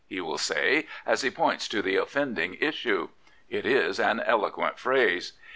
' he will say, as he points to the offending issue. It is an eloquent phrase.